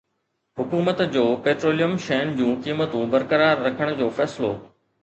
حڪومت جو پيٽروليم شين جون قيمتون برقرار رکڻ جو فيصلو